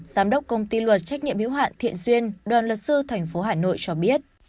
giám đốc công ty luật trách nhiệm hiếu hạn thiện duyên đoàn luật sư tp hà nội cho biết